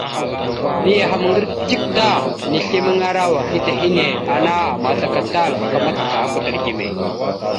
Niyaham ŋgar dik ta, nislimaŋara wakita hinne, ana àmazlaka tal aka macacaha kwatar gime.